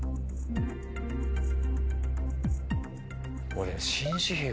俺。